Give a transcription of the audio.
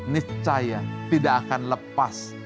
niscaya tidak akan lepas